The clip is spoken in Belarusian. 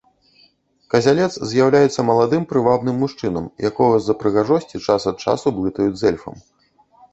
Казялец з'яўляецца маладым прывабным мужчынам, якога з-за прыгажосці час ад часу блытаюць з эльфам.